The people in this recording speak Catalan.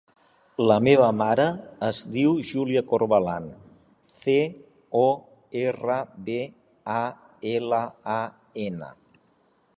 La meva mare es diu Júlia Corbalan: ce, o, erra, be, a, ela, a, ena.